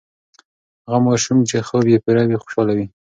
هغه ماشوم چې خوب یې پوره وي، خوشاله وي.